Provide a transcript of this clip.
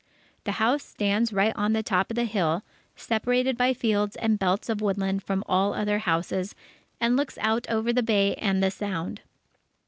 The house stands right on the top of the hill, separated by fields and belts of woodland from all other houses, and looks out over the Bay and the Sound.